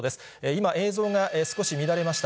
今、映像が少し乱れました。